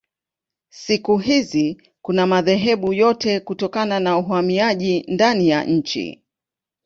Siku hizi kuna madhehebu yote kutokana na uhamiaji ndani ya nchi.